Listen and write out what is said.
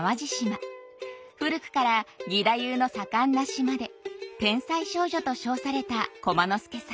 古くから義太夫の盛んな島で天才少女と称された駒之助さん。